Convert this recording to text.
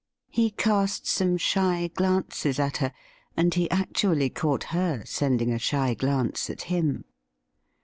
He cast some shy glances at her, and he actually caught her sending a shy glance at him.